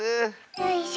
よいしょ。